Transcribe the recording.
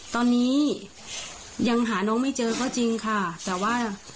ตอนนี้ยังหาน้องไม่เจอก็จริงค่ะแต่ว่า